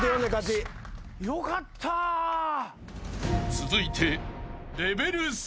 ［続いて］